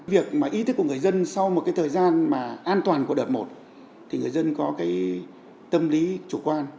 việc mà ý thức của người dân sau một cái thời gian mà an toàn của đợt một thì người dân có cái tâm lý chủ quan